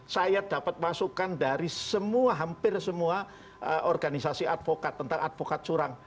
saya dapat masukan dari semua hampir semua organisasi advokat tentang advokat curang